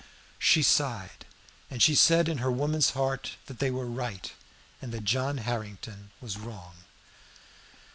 She sighed, and she said in her woman's heart that they were right, and that John Harrington was wrong.